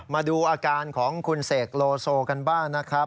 มาดูอาการของคุณเสกโลโซกันบ้างนะครับ